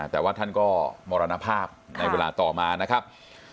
แต่ว่าท่านก็มรณภาพในเวลาต่อมานะครับ